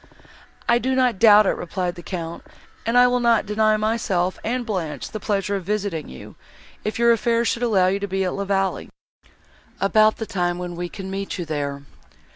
"I do not doubt it," replied the Count, "and I will not deny myself and Blanche the pleasure of visiting you, if your affairs should allow you to be at La Vallée, about the time when we can meet you there."